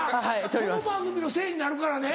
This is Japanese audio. この番組のせいになるからね。